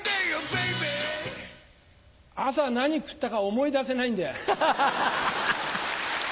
Ｂａｂｙ朝何食ったか思い出せないんだよ。